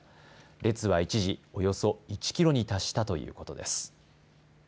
列は一時、およそ１キロに達したということです。